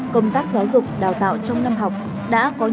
công tác giáo dục đào tạo trong năm học